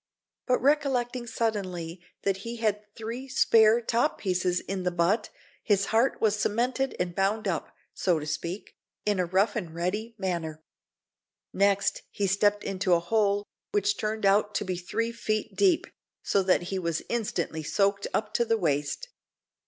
But recollecting suddenly that he had three spare top pieces in the butt, his heart was cemented and bound up, so to speak, in a rough and ready manner. Next, he stepped into a hole, which turned out to be three feet deep, so that he was instantly soaked up to the waist.